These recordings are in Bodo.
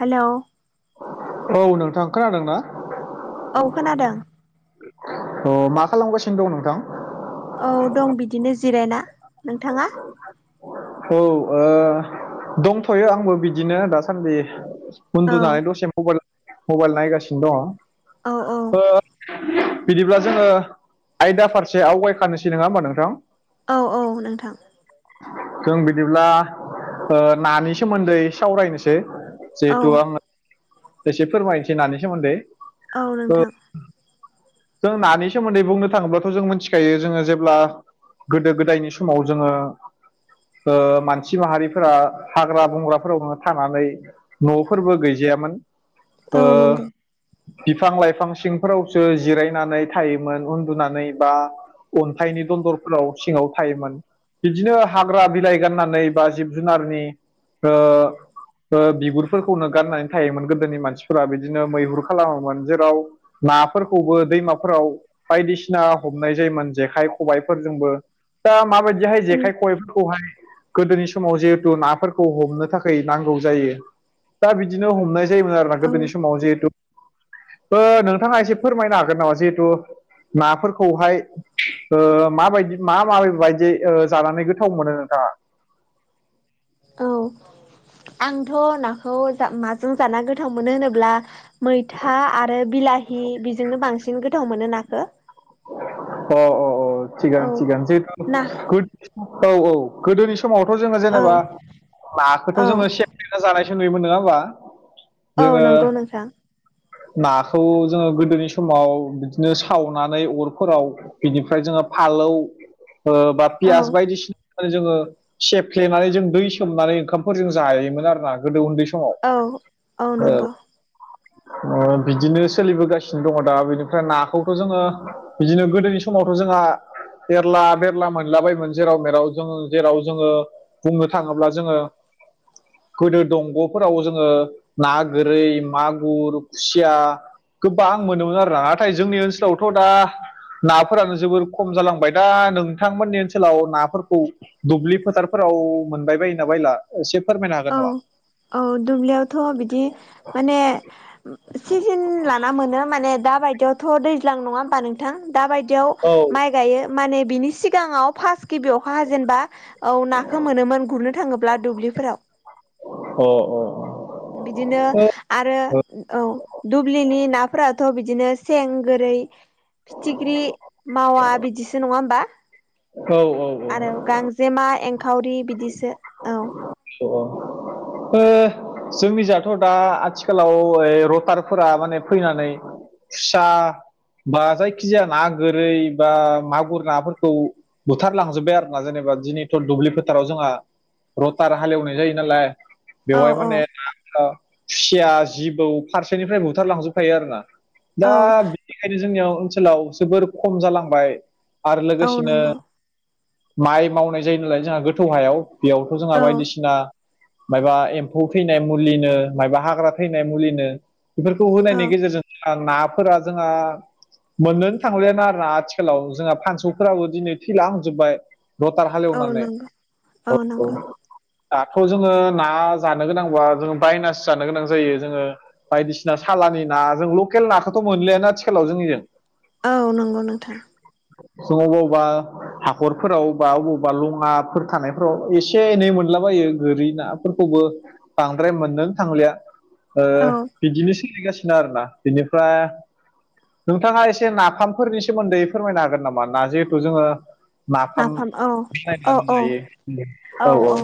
हेलौ औ नोंथां खोनादों ना औ खोनादों। अह मा खालामगासिनो दं नोंथां औ दं बिदिनो जिरायना नोंथाङा औ ओ दंथ'यो आंबो बिदिनो दासान्दि औ उन्दुनानै दसे मबाइल मबाइल नायगासिनो औ औ दङ ओ बिदिब्ला जोङो आयदा फारसे आवगायखानोसै नङा ओमबा नोंथां औ औ नोंथां। जों बिदिब्ला नानि सोमोन्दै सावरायनोसै औ जिहेथु आङो एसे फोरमायनोसै नानि सोमोन्दै औ नोंथां जों नानि सोमोन्दै बुंनो थाङोब्लाथ' जों मोनथिखायो जोङो जेब्ला गोदो गोदायनि समाव जोङो ओ मानसि माहारिफोरा हाग्रा बंग्राफोरावनो थानानै न'फोरबो गैजायामोन औ ओ नंगौ बिफां लाइफां सिंफोरावसो जिरायनानै थायोमोन उन्दुनानै बा अन्थाइनि दन्दरफोराव सिङाव थायोमोन बिदिनो हाग्रा बिलाइ गाननानै बा जिब जुनारनि ओ ओ बिगुरफोरखौनो गाननानै थायोमोन गो दोनि मानसिफोरा बिदिनो मैहुर खालामोमोन जेराव नाफोरखौबो दैमाफोराव बायदिसिना हमनाय जायोमोन जेखाइ खबायफोरजोंबो दा मा बेफोर बायदिहाय औ जेखाइ खबायफोरखौहाय गोदोनि समाव जिहेथु नाफोरखौ हमनो थाखाय नांगौ जायो दा बिदिनो हमनाय जायोमोन आरो औ गोदोनि समाव जिहेथु ओ नोंथाङा एसे फोरमायनो हागोन नामा जिहेथु नाफोरखौहाय ओ माबायदि मा मा बायदि जानानै गोथाव मोनो नोंथाङा औ आंथ' नाखौ माजों जाना गोथाव मोनो होनोब्ला मैथा आरो बिलाहि बेजोंनो बांसिन गोथाव मोनो नाखौ अह अह अह औ थिगानो थिगानो ना गोद औ औ गोदोनि समावथ' जोङो औ जेनेबा नाखौथ' औ जोङो सेफ्लेना जानायसो नुयोमोन नङा होमबा? औ जोङो नंगौ नोंथां। नाखौ जोङो गोदोनि समाव बिदिनो सावनानै अरफोराव बिनिफ्राय जोङो फालौ ओ बा औ पियास बायदिसिना जोङो सेफ्लेनानै जों दै सोमनानै ओंखामफोर जों जायोमोन आरो ना गोदो उन्दै समाव औ औ नंगौ बिदिनो सोलिबोगासिनो दङ दा बेनिफ्राय नाखौथ' जोङो बिदिनो गोदोनि समावथ' जोंहा मेरला मेरला मोनलाबायमोन जेराव मेराव जोङो जेराव जोङो बुंनो थाङोब्ला जोङो गोदो दंग'फोराव जोङो ना गोरै मागुर खुसिया गोबां मोनोमोन आरोना नाथाय जोंनि ओनसोलावथ' दा नाफोरानो जोबोर खम जालांबाय दा नोंथांमोननि ओनसोलाव नाफोरखौ दुब्लि फोथारफोराव मोनबाय बायोना बायला एसे फोरमायना औ औ दुब्लियावथ' बिदि माने सिजोन लाना मोनो माने दाबायदियावथ' दैज्लां नङा होमबा नोंथां दा बायदियाव औ माइ गायो माने बिनि सिगाङाव फार्स्ट गिबि अखा हाजेनेबा औ नाखौ मोनोमोन गुरनो थाङोब्ला दुब्लिफोराव अ अ बिदिनो आरो औ दुब्लिनि नाफोराथ' बिदिनो सें गोरै फिथिख्रि मावा बिदिसो नङा होमबा औ औ आरो गांजेमा एंखावरि बिदिसो औ ओ जोंनिजाथ' दा आथिखालाव रटारफोरा माने फैनानै खुसा बा जायखिजाया ना गोरै बा मागुर नाफोरखौ बुथारलांजोब्बाय आरोना जेनेबा दिनैथ' दुब्लि फोथाराव जोंहा रथार हालेवनाय जायो नालाय औ बेवहाय औ माने खुसिया जिबौ फारसेनिफ्राय बुथारलांजोबफायो आरो ना औ दा बेनिखायनो जोंनियाव ओनसोलाव जोबोर खम जालांबाय आरो औ लोगोसेनो नंगौ माइ मावनाय जायो नालाय जोंहा गोथौ हायाव बेयावथ' जोंहा औ बायदिसिना मायाबा एम्फौ थैनाय मुलिनो माबा हाग्रा थैनाय मुलिनो बेफोरखौ औ होनायनि गेजेरजों जोंहा नाफोरा जोंहा मोननोनो थांबायानो आरोना आथिखालाव जोंहा फानसौफोराबो दिनै थैलां हांजोबबाय रथार हाल औ एवनानै नंगौ औ नंगौ दाथ' जोङो ना जानो गोनांबा जोङो बायनासो जानो गोनां जायो जोङो बायदिसिना सालानि ना जों लकेल नाखौथ' मोनलियानो आथिखालाव जोंनिजों औ नंगौ नोंथां जों अबावबा हाखरफोराव बा अबावबा लङाफोर थानायफोराव एसे एसे एनै मोनलाबायो गोरि नाफोरखौबो बांद्राय मोनननो थांलिया औ बिदिनो सोलिगासिनो आरोना बिनिफ्राय नोंथाङा एसे नाफामफोरनि सोमोन्दै फोरमायनो हागोन नामा ना जिहेथु जोङो नाफाम औ बानायनानै औ जायो औ औ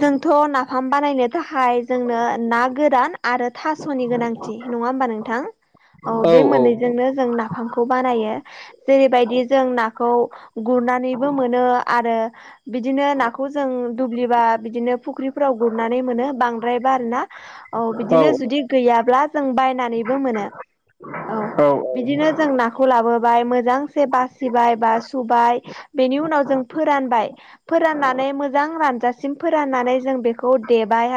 जोंथ' नाफाम बानायनो थाखाय जोंनो ना गोरान आरो थास'नि गोनांथि नङा होमबा नोंथां औ बे मोननैजोंनो जों नाफामखौ खौ बानायो जेरैबायदि जों नाखौ गुरनानैबो मोनो आरो बिदिनो नाखौ जों दुब्लिबा बिदिनो फुख्रिफोराव गुरनानै मोनो बांद्रायबा आरो ना औ बिदिनो जुदि गैयाब्ला जों बायनानैबो मोनो औ बिदिनो जों नाखौ खौ लाबोबाय मोजांसे बासिबाय बा सुबाय बेनि उनाव जों फोरानबाय फोराननानै मोजां रानजासिम फोराननानै जों बेखौ देबाय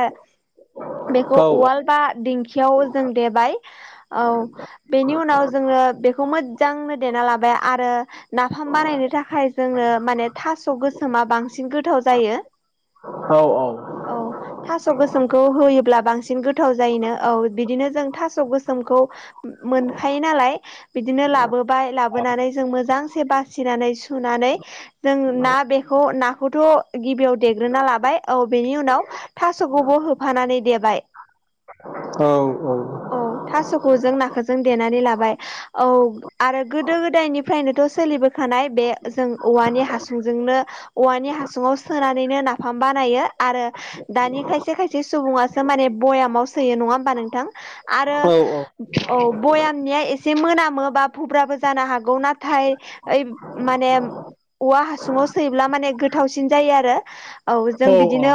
बेखौ औ उवाल बा दिंखियाव जों देबाय औ बेनि उनाव जोङो बेखौ मोजांनो देना लाबाय आरो नाफाम बानायनो थाखाय जोंनो माने थास' गोसोमा बांसिन गोथाव जायो औ औ औ थास' गोसोमखौ होयोब्ला बांसिन गोथाव जायोनो औ बिदिनो जों थास' गोसोमखौ मोनखायो नालाय बिदिनो लाबोबाय लाबोनानै जों मोजांसे बासिनानै सुनानै जों ना बेखौ नाखौथ' गिबियाव देग्रोना लाबाय औ बेनि उनाव थास'खौबो होफानानै देबाय औ औ औ थास'खौ जों नाखौ जों देनानै लाबाय औ आरो गोदो गोदायनि फ्रायनोथ' सोलिबोखानाय बे जों औवानि हासुंजोंनो औवानि हासुंआव सोनानै नो नाफाम बानायो आरो दानि खायसे खायसे सुबुङासो माने भयामाव सोयो नङा होमबा नोंथां आरो औ भयामनिया एसे मोनामो बा भुब्राबो जानो हागोन औ नाथाय ओइ माने औवा हासुङाव सैब्ला माने गोथावसिन जायो आरो औ जों बिदिनो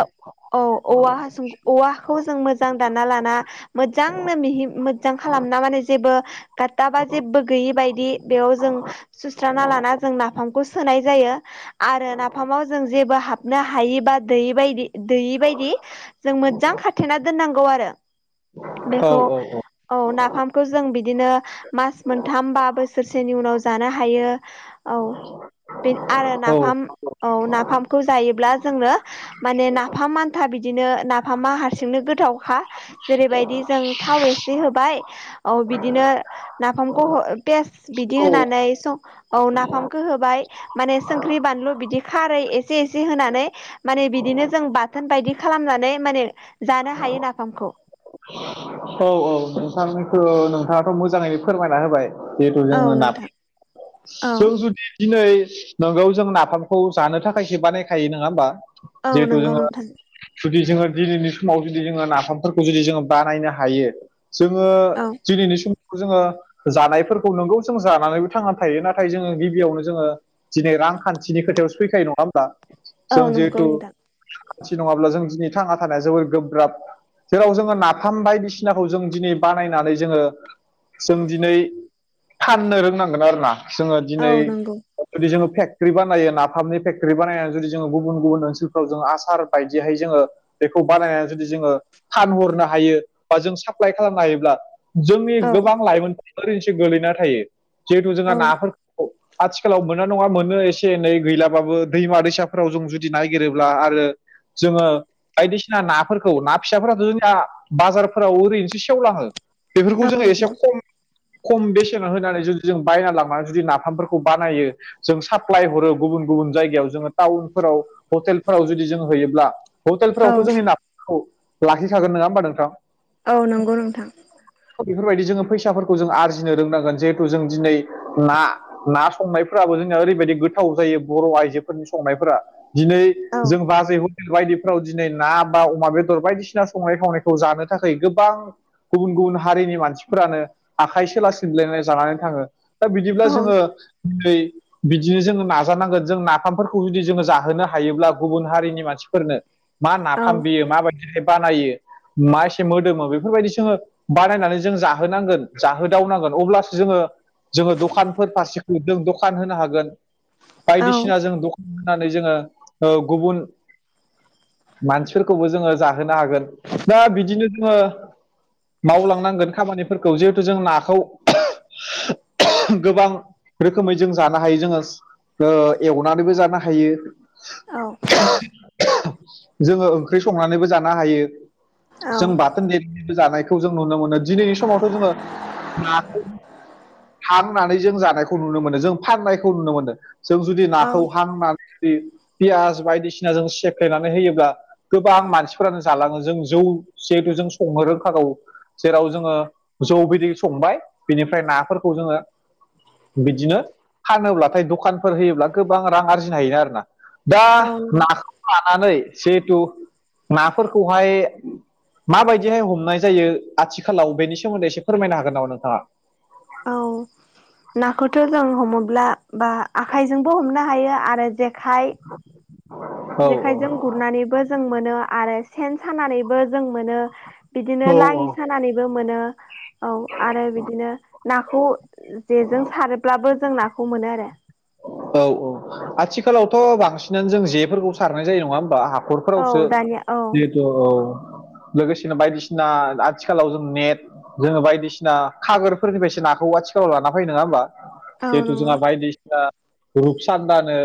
औ औवा हासुं औवाखौ जों मोजां मोजां दाना लाना मोजांनो मिहि मोजां खालामना माने जेबो गाताबा जेबो गैयि बायदि बेयाव जों सुस्रांना लाना जों नाफामखौ सोनाय जायो आरो नाफामाव जों जेबो हाब ना हायोबा दै बायदि दैयिबायायदि जों मोजां खाथेना दोननांगौ आरो बेखौ औ नाफामखौ जों बिदिनो मास मोनथाम बा बोसोरसेनि उनाव जानो हायो औ बे आरो औ नाफाम औ नाफामखौ जायोब्ला जोंनो माने नाफाम आान्था बिदिनो नाफामा हारसिंनो गोथावखा जेरैबायदि जों थाव एसे होबाय औ बिदिनो नाफामखौ पेस बिदि होनानै स औ नाफामखौ होबाय माने संख्रि बानलु बिदि खारै ए एसे एसे होनानै माने बिदिनो जों बाथोन बायदि खालामनानै माने जानो हायो नाफामखौ औ औ नोंथांखौ नोंथाङाथ' मोजाङैनो फोरमायना होबाय जिहेथु औ जोङो ना नोंथां औ जों जुदि दिनै नोंगौ जों नाफामखौ जानो थाखायसो बानायखायो नङा होमबा औ जिहेथु नंगौ जोङो नोंथां जुदि जोङो दिनैनि समाव जुदि जोङो नाफामफोरखौ जुदि जोङो बानायनो हायो जोङो औ दिनैनि समाव जोङो जानायफोरखौ नंगौ जों जानानैबो थांनानै थायो नाथाय नाथाय जोङो गिबियावनो जोङो दिनै रांखान्थिनि खोथायाव स फैखायो नङा औ जों नंगौ जिहेथु नोंथां मानसि नङाब्ला जों दिनै थांना थानाया जोबोर गोब्राब जेराव जोङो नाफाम बायदिसिनाखौ जों दिनै बानायनानै जोङो जों दिनै फाननो रोंनांगोन आरो ना जोङो औ दिनै नंगौ जुदि जोङो फेकत्रि बानायो नाफामनि फेक्ट्रि बानायनानै जुदि जोङो गुबुन गुबुन ओनसोलफ्राव जोंङो आसार बायदिहाय जोङो बेखौ बानायनानै जुदि जोङो फानहरनो हायो बा जों साप्लाइ खालामनो हायोब्ला जोंनि औ गोबां लाइमोनफ्रा ओरै एसे गोलैना थायो जिहेथु जोंहा औ ना आथिखालाव मोना नङा मोनो एसे एनै गैलाबाबो दैमा दैसाफोराव जों जुदि नागिरोब्ला आरो जोङो बायदिसिना नाफोरखौ ना फिसाफोराथ' जोंनिया बाजारफोराव ओरैनोसो सेवलाङो बेफोरखौ औ जोङो एसे नंगौ खम खम बेसेनाव होनानै जुदि जों बायना लांनानै जुदि नाफामफोरखौ बानायो जों साप्लाय हरो गुबुन गुबुन जायगायाव जोङो टाउनफोराव हटेलफोराव जुदि जों होयोब्ला औ हटेलफोरावथ' जोंनि नाफोरखौ लाखिखागोन नङा होमबा नोंथां औ नंगौ नोंथां बेफोरबायदि जोङो फैसाफोरखौ जों आरजिनो रोंनांगोन जिहेथु जों दिनै ना ना संनायफोराबो जोंहा ओरैबायदि गोथाव जायो बर' आइजोफोरनि संनायफोरा दिनै औ जों बाजैखौ बायदिफ्राव दिनै ना बा अमा बेदर बायदिसिना संनाय खावनायखौ जानो थाखाय गोबां गुबुन गुबुन हारिनि मानसिफोरानो आखाइ सोला सिनज्लायनाय जानानै थाङो दा बिदिब्ला औ जोङो नै बिदिनो जोङो नाजानांगोन जों नाफामफोरखौ जुदि जोङो जाहोनो हायोब्ला गुबुन हारिनि मानसिफोरनो मा औ नाफाम बियो माबायदिहाय बानायो मा एसे मोदोमो बेफोरबायदि जोङो बानायनानै जों जाहोनांगोन जाहोदावनांगोन अब्लासो जोङो जोङो दखानफोर फारसेखौ जों दखान होनो हागोन औ बायदिसिना जों द होनानै जोङो ओ गुबुन मानसिफोरखौबो जोङो जाहोनो हागोन दा बिदिनो जोङो मावलांनांगोन खामानिफोरखौ जिहेथु जों नाखौ गोबां रोखोमै जों जानो हायो जोङो ओ एवनानैबो जानो हायो जोङो ओंख्रै संनानैबो जानो हायो। औ जों बाथोन दे [unintelligible] जानायखौ जों नुनो मोनो दिनैनि समावथ' जोङो नाखौ हांनानै जों जानायखौ नुनो मोनो जों फाननायखौ नुनो मोनो जों जुदि औ नाखौ हांनानै पियास बायदिसिनाजों सेफ्लेनानै होयोब्ला गोबां मानसिफोरानो जालाङो जों जौ जिहेथु जों संनो रोंखागौ। जेराव जोङो जौ बिदै संबाय बिनिफ्राय नाफोरखौ जोङो बिदिनो फानोब्लाथाय दखानफोर होयोब्ला गोबां रां आरजिनो हायो आरोना। दा औ नाखौ लानानै जिहेथु नाफोरखौहाय माबायदिहाय हमनाय जायो आथिखालाव बेनि सोमोन्दै एसे फोरमायनो हागोन नामा नोंथाङा? औ नाखौथ' जों हमोब्ला बा आखाइजोंबो हमनो हायो आरो जेखाइ औ जेखायजों गुरनानैबो जों मोनो आरो सेन सानानैबो जों मोनो। बिदिनो औ लाङि औ सानानैबो मोनो। औ आरो बिदिनो नाखौ जेजों सारोब्लाबो जों नाखौ मोनो आरो। औ औ आथिखालावथ' बांसिनानो जों जेफोरखौ सारनाय जायो नङा होमबा हा औ खरफोरावसो दानिया औ जिहेथु औ लोगोसेनो बायदिसिना आथिखालाव जों नेट जोङो बायदिसिना खागोरफोरनिफ्रायसो नाखौ आथिखालाव लाना फैयो नङा होमबा? औ जिहेतु नंगौ जोंहा बायदिसिना रुपसान्दानो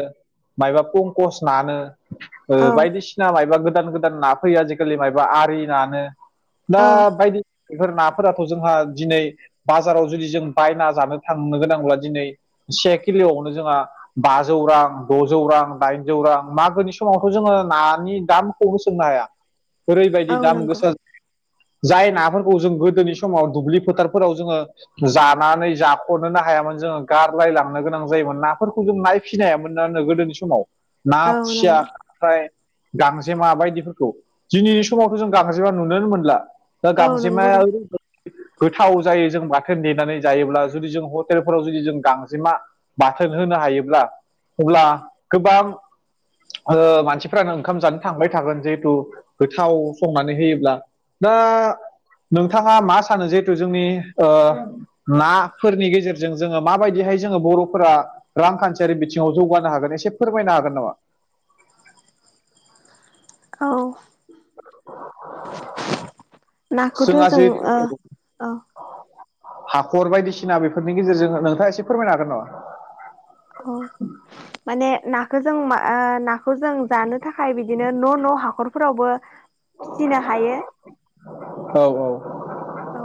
मायबा पंकस नानो औ ओ बायदि सिना मायबा गोदान गोदान ना फैयो आजिखालि मायबा आरि नानो। दा औ बायदि बेफोर नाफोराथ' जोंहा दिनै बाजाराव जुदि जों बायना जानो थांनो गोनांब्ला दिनै से किल'आवनो जोंहा बाजौ रां द'जौ रां दाइनजौ रां मागोनि समावथ' जोङो नानि दाम खौनो सोंनो हाया औ ओरैबायदि दाम नंगौ गोसा जाय नाफोरखौ जों गोदोनि समाव दुब्लि फोथारफोराव जोङो जानानै जाख'नोनो हायामोन जोङो गारलायलां नो गोनां जायोमोन। नाफोरखौ जों ना फोरखौ जों नायफिनायामोनानो गोदोनि समाव ना औ खुसिया नंगौ ओमफ्राय गांजेमा बायदिफोरखौ दिनैनि समावथ' जों गांजेमा नुुनोनो मोनला। द औ नंगौ गांजेमाया नों ओरैबायदि गोथाव जायो जों बाथोन देनानै जायोब्ला। जुदि जों हटेलफोराव जुदि जों गांजेमा बाथोन होनो हायोब्ला अब्ला गोबां ओ मानसिफ्रानो ओंखाम जानो थांबाय थागोन जिहेथु गोथाव संनानै होयोब्ला। दा नोंथाङा मा सानो जिहेथु जोंनि ओ नाफोरनि गेजेरजों जोङो माबायदिहाय जोङो बर' फोरा रांखान्थियारि बिथिङाव जौगानो हागोन एसे फोरमायनो हागोन नामा? औ। नाखौथ' जोंहा जों जे अ अ हाखर बायदिसिना बेफोरनि गेजेरजों नोंथाङा एसे फोरमायनो हागोन नामा? औ। माने नाखो जों मा ओ नाखौ जों जानो थाखाय बिदिनो न' न' हाखरफोरावबो फिनो हायो। औ औ। औ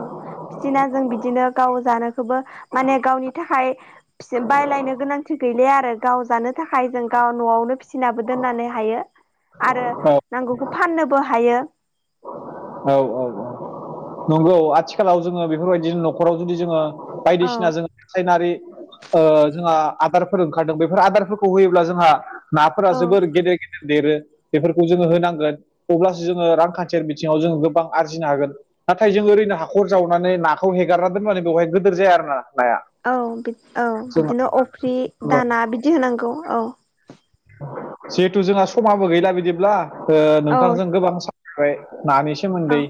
फिना जों बिदिनो गाव जानो खौबो माने गावनि थाखाय बायलायनो गोनांथि गैलया आरो। गाव जानो थाखाय जों गाव न'आवनो फि थिनाबो दोननानै हायो आरो नांगौखौ फाननोबो हायो। औ औ औ। नंगौ आथिखालाव जोङो बेफोरबायदि न'खराव जुदि जोङो औ बायदिसिना जोङो रासायनारि जोंहा आदारफोर ओंखारदों बेफोर आदारफोरखौ होयोब्ला जोंहा नाफोरा औ जोबोर गेदेर गेदेर देरो बेफोरखौ जोङो होनांगोन अब्लासो जोङो रांखान्थियारि बिथिङाव जोङो गोबां आरजिनो हागोन। नाथाय जों ओरैनो हाखर जावनानै नाखौ हेगारना दोनबानो बेवहाय गोदोर जाया आरोना नाया। औ औ बिदिनो अफ्रि जोंहा दाना बिदि होनांगौ औ। जिहेथु जोंहा समाबो गैला बिदिब्ला औ नोंथांजों गोबां सबाय नानि सो औ सोमोनदै